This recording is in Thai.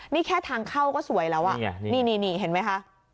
นี่แค่ทางเข้าก็สวยแล้วนี่เห็นไหมคะ